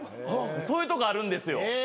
そういうとこあるんですよ。